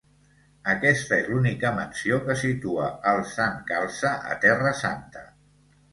Aquesta és l'única menció que situa el Sant Calze a Terra Santa.